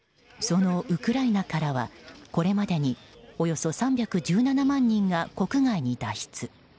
そのウクライナからはこれまでにおよそ３１７万人が国外に脱出。